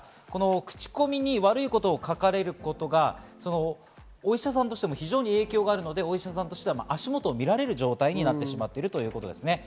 口コミに悪いこと書かれることがお医者さんとしても影響があるので足元を見られる状態になってしまっているということです。